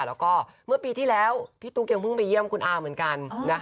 แล้วก็เมื่อปีที่แล้วพี่ตุ๊กยังเพิ่งไปเยี่ยมคุณอาเหมือนกัน